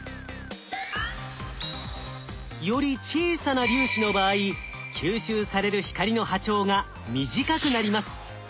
より小さな粒子の場合吸収される光の波長が短くなります。